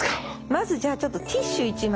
まずじゃあちょっとティッシュ１枚。